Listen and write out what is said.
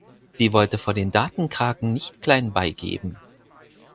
Sie wollte vor den Datenkraken nicht klein bei geben.